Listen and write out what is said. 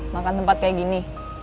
makan tempat kayak gini